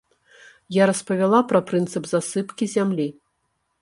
Я распавяла пра прынцып засыпкі зямлі.